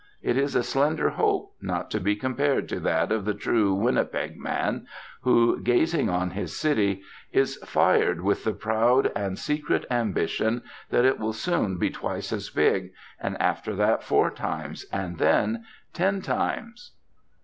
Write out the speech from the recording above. It is a slender hope, not to be compared to that of the true Winnipeg man, who, gazing on his city, is fired with the proud and secret ambition that it will soon be twice as big, and after that four times, and then ten times....